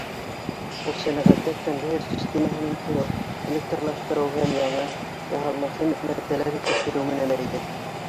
Ул сәнәғәттә конвейер системаһын индереү, электрлаштырыу һәм яңы, яһалма химик матдәләр етештереү менән бәйле.